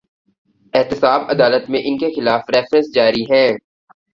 احتساب عدالت میں ان کے خلاف ریفرنس جاری ہیں۔